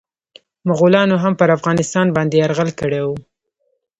مغولانو هم پرافغانستان باندي يرغل کړی و.